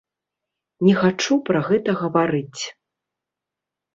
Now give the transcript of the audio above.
Не хачу пра гэта гаварыць.